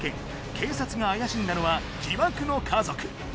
警察が怪しんだのは疑惑の家族